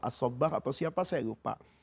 as sobah atau siapa saya lupa